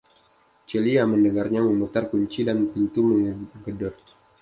Celia mendengarnya memutar kunci dan pintu menggedor.